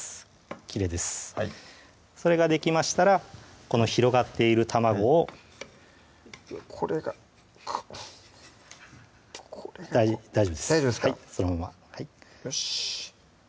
きれいですそれができましたらこの広がっている卵をこれがくっ大丈夫です大丈夫ですかはいそのままよしっ